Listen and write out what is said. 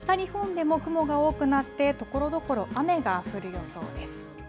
その後、夜を見ていくと、夜は北日本でも雲が多くなって、ところどころ雨が降る予想です。